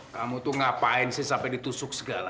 kamu tuh ngapain sih sampai ditusuk segala